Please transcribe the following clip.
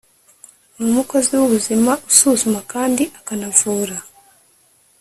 ni umukozi w ubuzima usuzuma kandi akanavura